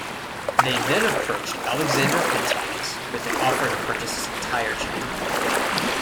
They then approached Alexander Pantages with an offer to purchase his entire chain.